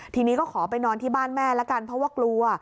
ทีนี้ก็ขอไปนอนที่บ้านแม่ละกันเพราะว่ากลัว